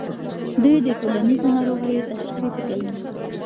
دوی د ټولنیزو ناروغیو تشخیص کوي.